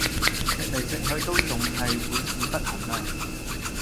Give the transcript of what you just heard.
食嚟食去都仲係會屎忽痕呀